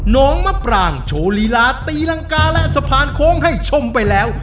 น้องมะปรางโชว์ลีลาตีรังกาและสะพานโค้งให้ชมไปแล้ว